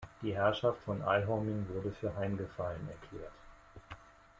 Die Herrschaft Aholming wurde für heimgefallen erklärt.